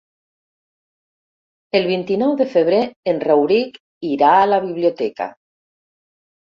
El vint-i-nou de febrer en Rauric irà a la biblioteca.